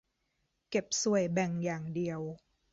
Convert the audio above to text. เก็บส่วยแบ่งอย่างเดียว